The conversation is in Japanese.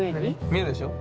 見えるでしょ？